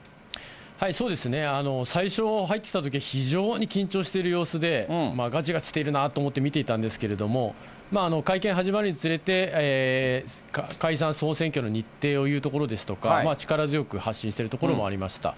そうですね、最初、入ってきたとき、非常に緊張している様子で、がちがちしているなと思って、見ていたんですけれども、会見始まるにつれて、解散・総選挙の日程を言うところですとか、力強く発信しているところもありました。